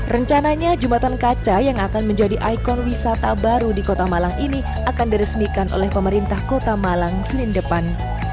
rencananya jembatan kaca yang akan menjadi ikon wisata baru di kota malang ini akan diresmikan oleh pemerintah kota malang senin depan